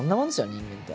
人間って。